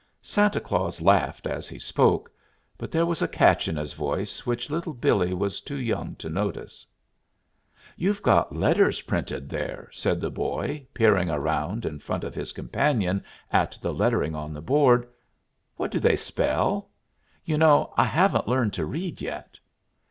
Santa Claus laughed as he spoke; but there was a catch in his voice which Little Billee was too young to notice. "You've got letters printed there," said the boy, peering around in front of his companion at the lettering on the board. "What do they spell? You know I haven't learned to read yet."